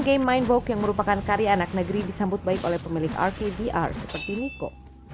game mindvogue yang merupakan karya anak negeri disambut baik oleh pemilik rt dr seperti niko